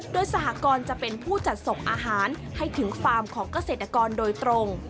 โดยสหกรณ์จะเป็นผู้จัดส่งอาหารให้ถึงฟาร์มของเกษตรกรโดยตรง